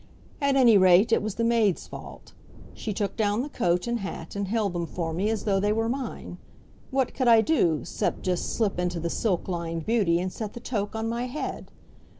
At any rate, it was the maid's fault. She took down the coat and hat and held them for me as though they were mine. What could I do, 'cept just slip into the silk lined beauty and set the toque on my head?